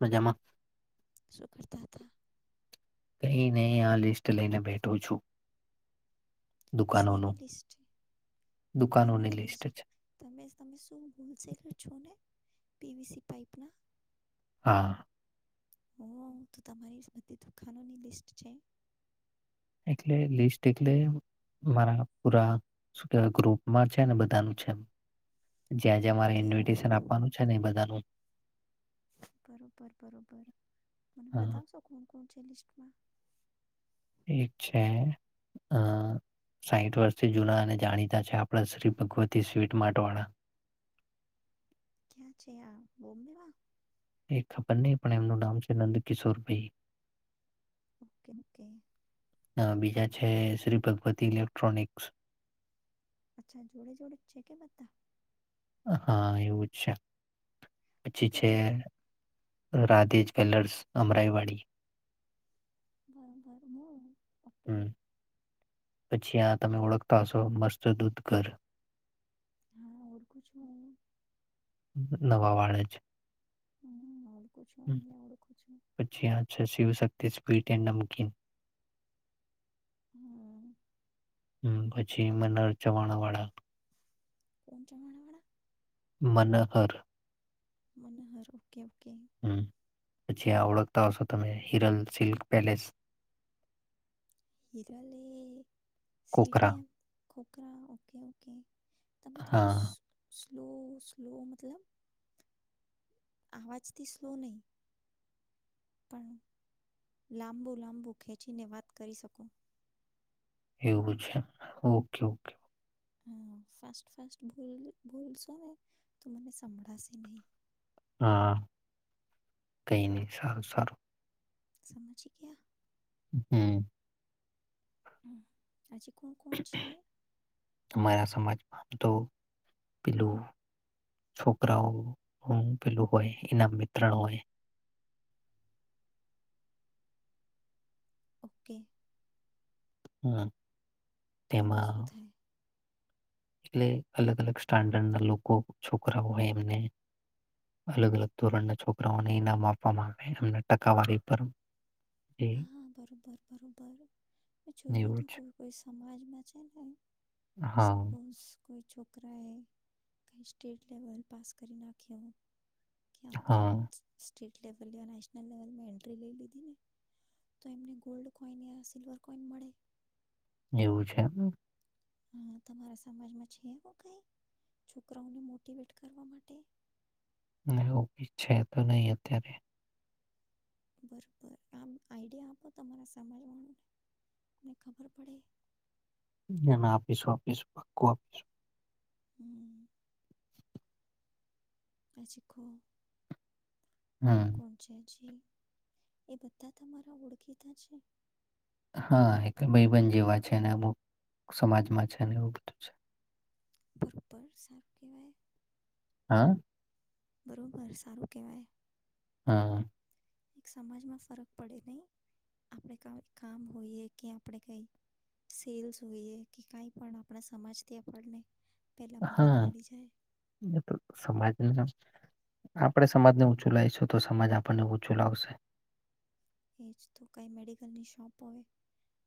મજામાં શું કરતા હતા. કહી નહી આ લિસ્ટ લઈને બેઠું છું. સે દુકાનોનું ની લિસ્ટ દુકાન નો દુકાનોની ની લિસ્ટ છે [unintelligible] પીવીસી પઈપ હા તો તમારી બધી દુકાનોની લિસ્ટ છે એટલે લિસ્ટ એટલે મારા પૂરા શુ કેવાય ગ્રુપમાં છે ને બધાનું છે જ્યાં જ્યાં મારે કે ઇન્વિટેશન આપવાનું છે ને બધાનું બરોબર બરોબર મને હા બતાવશો કોણ કોણ [inaudible] એક છે અ સાહીઠ વર્ષથી જૂના અને જાણીતા છે આપણા શ્રી ભગવતી સ્વીટ માર્ટ વાળા ક્યાં છે આ બિમ્બે મા એ ખબર નહી પણ એમનું નામ છે નંદકિશોરભાઈ ઓકે ઓકે બીજા છે શ્રી ભગવતી ઇલેક્ટ્રોનિક્સ અચ્છા જોડે જોડું જ છે કે બધા હા એવું જ છે પછી ઓકે છે તો રાધે જ્વેલર્સ અમરાઈવાડી. મ અપ હમ [inaudible] પછી આ તમે ઓળખતા હશો. મસ્ત દૂધ ઘર હા [inaudible] કુછ હો નવા વાળા છે. હમ પછી આ છે શિવશક્તિ જ વીટે નમકીન [unintelligible] હમ! હમ પછી મનર ચવાણા વાળા. કોણ પ્રવાણાવાડા [inaudible] મનહર મનહર ઓકે ઓકે હમ પછી આ ઓળખતા હશો તમે Hiral silk palace? Hirali કોકરા CTM? Khokhra okay okay! તમે થોડું હા [inaudible] સ્લો સ્લો મતલબ? આવાજથી સ્લો નહી. પણ લાંબુ લાંબુ ખેંચીને વાત કરી શકો. એવું છે ઓકે ઓકે! હં ફાસ્ટ ફાસ્ટ બોલશો ને, તો મને સંભળાશે નહી. હા [unintelligible] કઈ નહ સારું સારું સમજી ગયા? હમ! હં હજી કોણ કોણ છે? અમારા સમાજમાં આમ તો પેલું છોકરાઓ પેલું હોય એનામ વિત્રણ હોય. ઓકે! હ આ! તો એમાં શું થાય? એટલે અલગ અલગ સ્ટાન્ડર્ડ ના લોકો છોકરાઓ હોય, એમને અલગ અલગ ધોરણના છોકરાઓને ઈનામ આપવામાં આવે, એમને ટકાવારી પર એ હા હા! બરોબર બરોબર મે જોયું એવું હતું છે. કોઈ કોઈ સમાજ મા છે [unintelligible] [inaudible] હા સપોઝ કોઈ છોકરા એ કઈ સ્ટેટ લેવલ પાસ કરી નાખ્યો હોય હા! સ્ટેટ લેવલ યા નેશનલ લેવલમાં એન્ટ્રી લઈ લીધી ને તો એમને ગોલ્ડ કોઈન યા સિલ્વર કોઈન મળે? એવું છે એમ હા તમારા સમાજમાં છે એવું કઈ છોકરાઓને મોટીવેટ કરવા માટે [unintelligible] એવું કઈ છે તો નઈ અત્યારે. બરોબર આમ આઈડિયા આપો તમારા સમાજવાળુંને [inaudible] ને ખબર પડે ના ના આપીશું આપીશું પાક્કું આપીશું હમ્મ પછીખો [inaudible] કોણ હમ કોણ છે જે એ બધા તમારા ઓળખીતાા છે? હા એટલે ભાઈબંદ જેવા છે ને અમુક સમાજમાં છે ને એવું બધું છે. બરોબર સારું કેહેવાય આ. બરોબર સારું કેહેવાય હા. સમાજમાં ફરક પડે નઈ આપણે કા-કામ હોઈએ કે આપણે કઈ સેલ્સ હોઈએ કે કઈ પણ આપણા સમાજથી આપણને પહેલાં મદદ હા મળી જાય [inaudible] એ તો સમાજના આપણેે સમાજને ઊંચું લાઈશું તો સમાજ આપણને ઊંચું લાવશે. [inaudible] એજ તો કઈ મેડિકલની શોપ હોય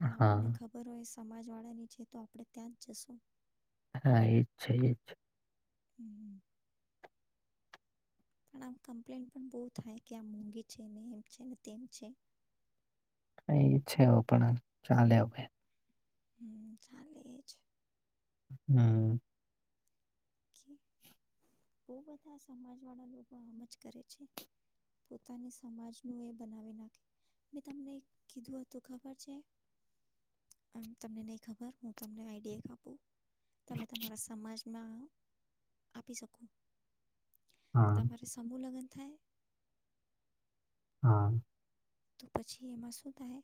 ને હા આપણને ખબર હોય સ સમાજ વાળાની છે તો આપણે ત્યાં જ જશું. હા એજ છે એજ છે. હમ્મ હમ્મ [inaudible] પણ આમ કમ્પ્લેન પણ બૌ થાય કે આ મોંઘી છે ને એમ છે ને તેમ છે. ક ઈ છેવ પણ અં ચાલે અવે. હમ્મ ચાલે એજ હમ્મ. કે [inaudible] બૌ બધા સમાજ વાળા લોકો આમ જ કરે છે. પોતાની સમાજનું એ બનાવી નાખે મે તમને કીધું હતું ખબર છે? [inaudible] અમ્મ તમને નઈ ખબર હું તમને આઇડિયા એક આપુ તમે તમારા સમાજમાં આપી શકું. હા તમારે સમૂહ લગન થાય. [inaudible] હા. તો પછી એમાં શું થાય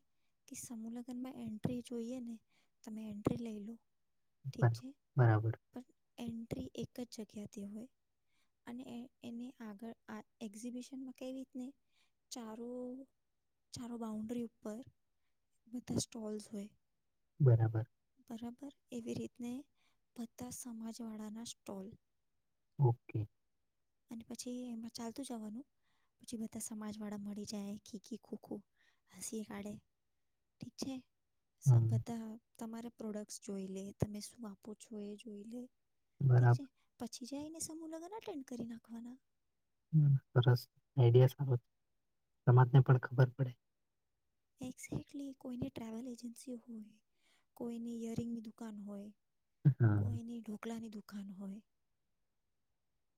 કે સમૂહ લગ્નમાં એન્ટ્રી જોઈએ ને તમે એન્ટ્રી લઈ લો ઠીક છે બરાબર. પણ એન્ટ્રી એક જ જગ્યાથી હોય અને એને આગળ એક્ઝિબિશનમાં કઈ રીતને ચારો.. ચારો બાઉન્ડ્રી ઉપર બધા સ્ટોલ્સ હોય.. બરાબર. બરાબર એવી રીતને ભતા સમાજવાળાના સ્ટોલ ઓકે. અને પછી એમાં ચાલતું જવાનું પછી બધા સમાજ વાળા મળી જાય ખીકી ખુખું હસી કાઢે ઠીક છે. હમ સંભતા... તમારા પ્રોડક્ટ જોઈ લે તમે શું આપો છો એ જોઈ લે ઠીક છે બરાબર પ પછી જાયને સમૂહ લગનના... કરી નાખવાના સરસ આઈડિયા સારો સમાજ ને પણ ખબર પડે એ કોઈ ટ્રલ એજન્સી હોય કોઈ એરિંગ ની દુકાન હોય હા કોઈની ઢોકલાની દુકા ખાન હોય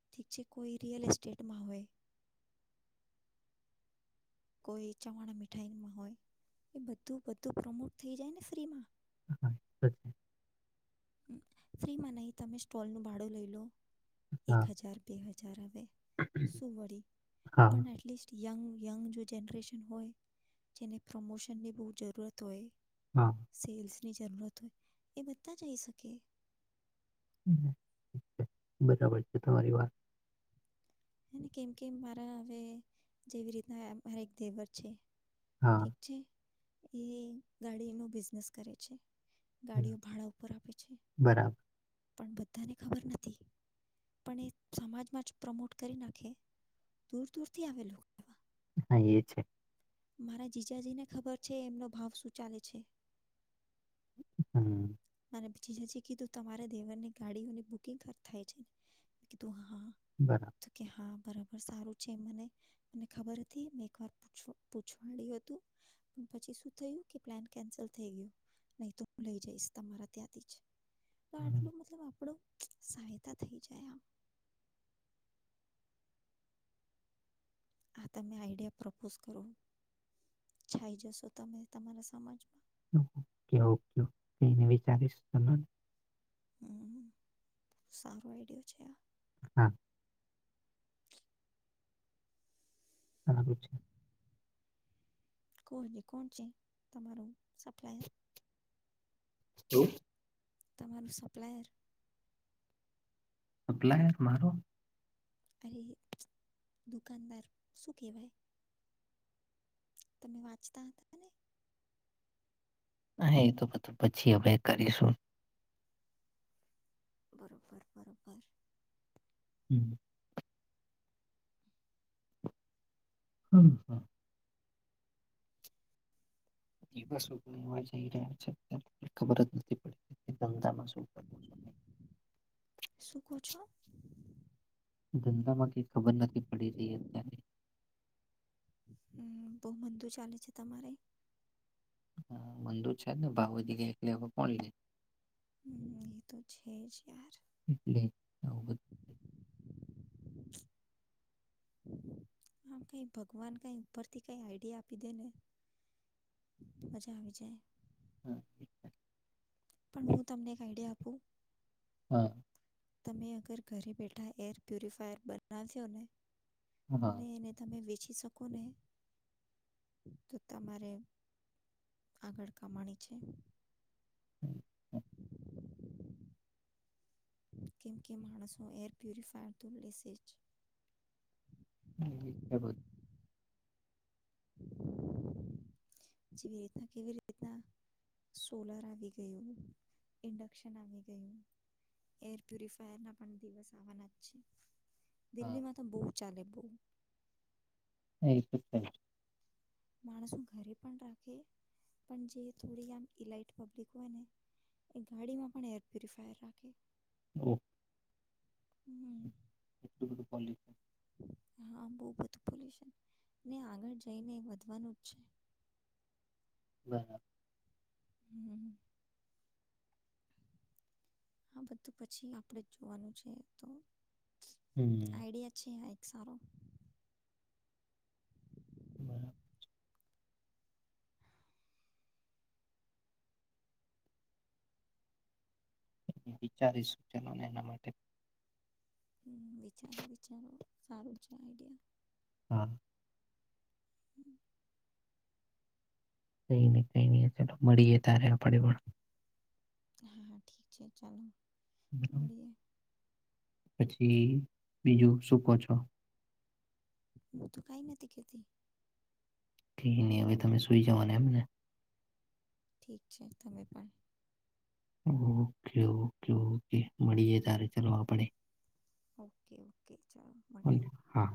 ઠીક છે કોઈ રિયલ એસ્ટેટમાં હોય કોઈ ચવાણા મીઠાઈમાં હોય એ બધું બધું પ્રમોટ થઈ જાય ને ફ્રીમાં [inaudible] ફ્રીમાં નહી તમે સ્ટોલ નું ભાડું લઈ લો એક હા હજાર બે હજાર હવે સુ વળી હા પણ એટલિસ્ટ યંગ યંગ જો જનરેશન હોય જેને પ્રમોશનની બહુ જરૂરત હોય હા સેલ્સ ની જરૂરત હોય એ બધતા જાયે શકે [inaudible] બરાબર છે તમારી વાત કેમ કે મારા હવે જેવી રીતના મારાં એક દેવર છે હા ઠીક છે એ ગાડી નો બિઝનેસ કરે છે ગાડીઓ બરાબર ભાડા ઉપર આપે છે બરાબર. પણ બધાને ખબર નથી પણ એ સમાજમાં જ પ્રમોટ કરી નાખે દૂર દૂરથી આવે લોકો હા એ છે મારા જીજાજીને ખબર છે એમનો ભાવ શું ચાલે છે હમ્મ જીજાજી કીધું તમારે દેવર ની ગાડીઓની બુકિંગ કર થાય છે મેં કીધું હા હા બરાબર તો કે હા બરાબર સારું છે મને મને ખબર હતી મેં એકવાર પૂછ પૂછવાડ્યું હતું પછી શું થયું કે પ્લાન કેન્સલ થઈ ગયો નહી તો હું લઇ જઈશ તમારા ત્યાંથી છે. તો હમ, આટલું મતલબ આપડો. સહાયતા થઈ જાય આમ. આ તમે આઈડિયા પ્રપોઝ કરો છાય જશો તમે તમારા સમાજમાં. ઓકે ઓકે તેઈને વિચારીશ તને. હમ્મ સારો આઈડિયો છે આ. હા. હારું છે કોણ કોણ છે તમારું સપ્લાયર. શુ તમારું સપ્લાયર. સપ્લાયર મારો. અરે દુકાનદાર શું કેહેવાય. તમે વાંચતા હતાને. અ એ તો બધું પછી હભે કરીશું. બરોબર બરોબર. હમ. હમ હમ. દિવસો પણ એવા જઈ રહ્યા છેત્યારે ખબર જ નથી પડી ધંધામાં. શું કરવું શું શું કોહ છો. ધંધામાં ક ખબર નથી પડી રહી અત્યની. હમ બહ મંદું ચાલે છે તમારે. હ મંદુ છે જ ને ભાવ વધી ગયા એટલે કોણ લે. હમ એ તો છે જ યાર. એટલે આવું બધું હ કઈ ભગવાન કઈ ઉપરથી કઈ આઈડિયા આપી દે ને મજા આવી જાય. હમ. પણ હું તમને એક આઈડિયા આપું. હા. તમે અગર ઘરે બેઠા એર પ્યુરિફાયર બનાવ્યો ને. હા હા ને તમે વિચ. શકોને તો તમારે આગળ કમાણી છે. હમ. કેમ કે માણસો એર પ્યુરિફાયર તો લેશે જ. હ બલ. [unintelligible] જેવી રીતે કેવી રીના સોલર આવી ગયુ ઇડકશન આવી ગયું એ ઇપુફાયર ના પણ દીવસો આવાના હા, દિલ્હીમાં તો બહુત. ચાલે બહુ. એટ થ. [unintelligible] માણસો ઘરે પણ રાખે પણ જે થો આ ઈલાટ્ હોયને એ ગાડીમાં પણ એર પુફાય રાખે. ઓ. હમ. એક બધું પ. [unintelligible] હા બહ બધું પોલ્યન ને આગળ જઈને વધવાનું જ છે. હમ. [unintelligible] હમ. આ બધું પછી આપણેે જ જોવાનું છે તો.. હમ. આઈડિયા છે. સારો બરાબર. વિચારી સૂચનોને એના માટે. હ વિચારો વિચારો સારું છે આઈડિયા હા. હમ. કઈ નહી કઈ નહી ચાલ મળીએ તારે આપણેે પણ હા હા ઠીક છે ચાલો હમ. મળીએ પછી બીજું સુૂકો છો હું તો કઈ નથી કે તી હવે તમે સુઈ જવાના એમ ને ઠીક છે તમે પણ ઓકે ઓકે ઓકે મળીએે તારે ચલોવા આપડે ઓકે ઓકે ચાલો મળીએ હા